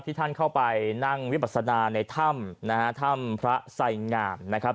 ท่านเข้าไปนั่งวิปัสนาในถ้ำนะฮะถ้ำพระไสงามนะครับ